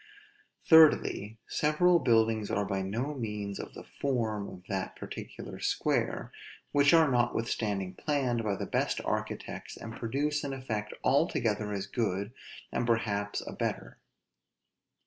Thirdly, several buildings are by no means of the form of that particular square, which are notwithstanding planned by the best architects, and produce an effect altogether as good, and perhaps a better.